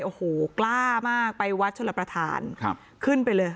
โอ้โหกล้ามากไปวัดชลประธานครับขึ้นไปเลย